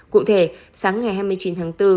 cụ thể sáng ngày hai mươi chín tháng bốn